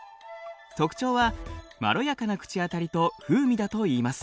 特徴はまろやかな口当たりと風味だといいます。